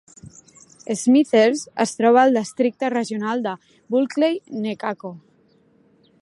Smithers es troba al districte regional de Bulkley-Nechako.